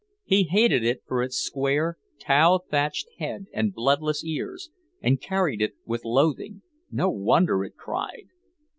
He hated it for its square, tow thatched head and bloodless ears, and carried it with loathing... no wonder it cried!